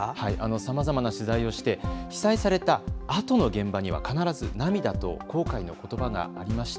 さまざまな取材をして被災されたあとの現場には必ず涙と後悔の言葉がありました。